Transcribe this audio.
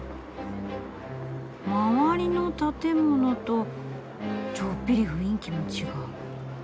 周りの建物とちょっぴり雰囲気も違う。